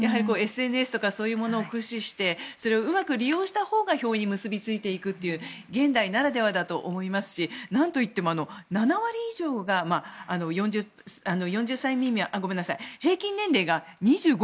ＳＮＳとかそういうのを駆使してそれをうまく利用したほうが票に結びついていくという現代ならではだと思いますしなんといっても７割以上が平均年齢が２５．７歳。